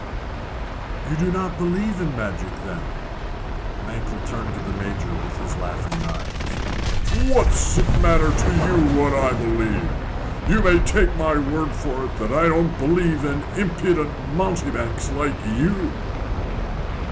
"You do not believe in magic, then?" Mankell turned to the Major with his laughing eyes. "What's it matter to you what I believe? You may take my word for it that I don't believe in impudent mountebanks like you."